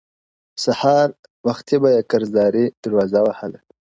سحر وختي بۀ يى قرضداري دروازه وهله,